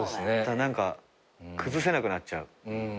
何か崩せなくなっちゃう。